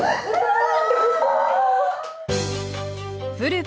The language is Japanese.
ああ！